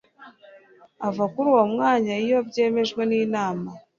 ava kuri uwo mwanya iyo byemejwe n'inama